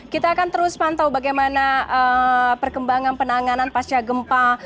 kita akan terus pantau bagaimana perkembangan penanganan pasca gempa